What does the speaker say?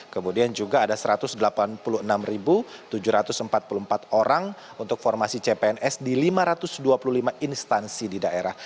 kemudian juga ada satu ratus delapan puluh enam tujuh ratus empat puluh empat orang untuk formasi cpns di lima ratus dua puluh lima instansi di daerah